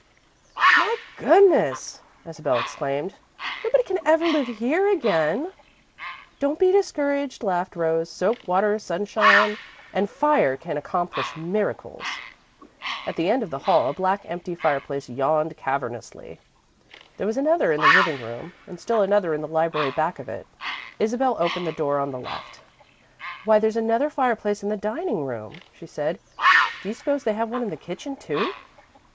"My goodness!" Isabel exclaimed. "Nobody can ever live here again." "Don't be discouraged," laughed Rose. "Soap, water, sunshine, and fire can accomplish miracles." At the end of the hall a black, empty fireplace yawned cavernously. There was another in the living room and still another in the library back of it. Isabel opened the door on the left. "Why, there's another fireplace in the dining room," she said. "Do you suppose they have one in the kitchen, too?"